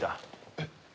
えっ。